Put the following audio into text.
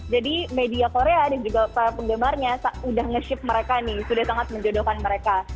jadi media korea dan juga para penggemarnya sudah nge ship mereka nih sudah sangat menjodohkan mereka